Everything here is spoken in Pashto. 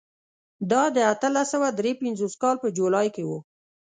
دا د اتلس سوه درې پنځوس کال په جولای کې و.